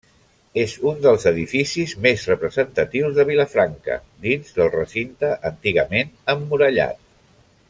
És un dels edificis més representatius de Vilafranca dins del recinte antigament emmurallat.